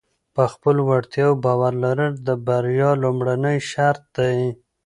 په خپلو وړتیاو باور لرل د بریا لومړنی شرط دی.